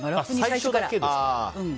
最初だけですか。